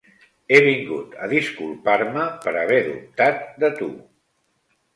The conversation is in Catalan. He vingut a disculpar-me per haver dubtat de tu.